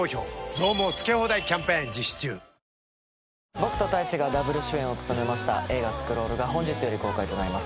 僕と大志がダブル主演を務めました映画『スクロール』が本日より公開となります。